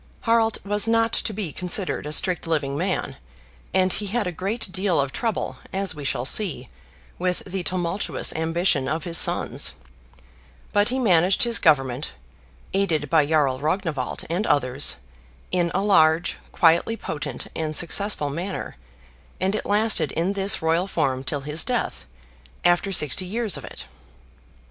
Harald was not to be considered a strict living man, and he had a great deal of trouble, as we shall see, with the tumultuous ambition of his sons; but he managed his government, aided by Jarl Rognwald and others, in a large, quietly potent, and successful manner; and it lasted in this royal form till his death, after sixty years of it.